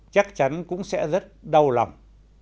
chắc chắn cũng sẽ rất đau lòng